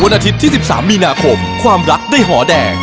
อาทิตย์ที่๑๓มีนาคมความรักได้หอแดง